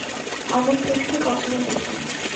অমন কিছুও কখনো দেখিনি।